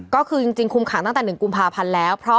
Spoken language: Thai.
ก็คือจริงคุมขังตั้งแต่๑กุมภาพันธ์แล้ว